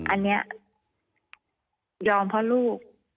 อันนี้ยอมเพราะลูก